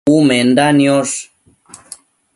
Umenda niosh